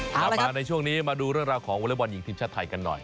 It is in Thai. กลับมาในช่วงนี้มาดูเรื่องราวของวอเล็กบอลหญิงทีมชาติไทยกันหน่อย